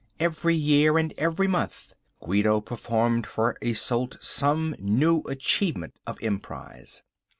Every year and every month Guido performed for Isolde some new achievement of emprise.